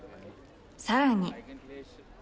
さらに。